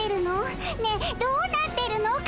どうなってるの？